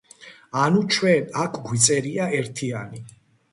ანუ, ჩვენ აქ გვიწერია ერთიანი.